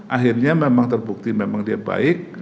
akhirnya memang terbukti memang dia baik